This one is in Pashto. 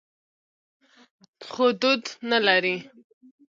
خو دود نه لري.